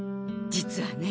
実はね。